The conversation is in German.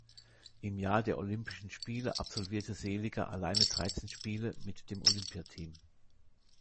Im Jahr der Olympischen Spiele absolvierte Seliger alleine dreizehn Spiele mit dem Olympia-Team.